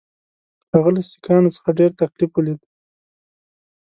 هغه له سیکهانو څخه ډېر تکلیف ولید.